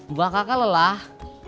mbak kakak lelah